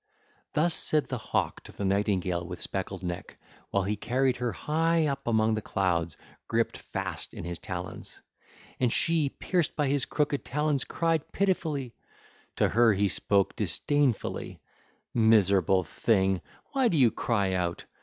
Thus said the hawk to the nightingale with speckled neck, while he carried her high up among the clouds, gripped fast in his talons, and she, pierced by his crooked talons, cried pitifully. To her he spoke disdainfully: 'Miserable thing, why do you cry out?